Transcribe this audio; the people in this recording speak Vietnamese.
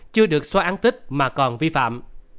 chưa được xóa án tích mà còn vi phạm